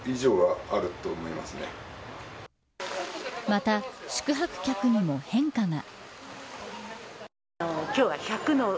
また、宿泊客にも変化が。